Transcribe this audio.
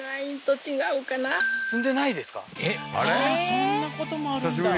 そんなこともあるんだ